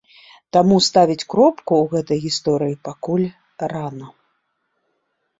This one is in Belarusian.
Таму ставіць кропку ў гэтай гісторыі пакуль рана.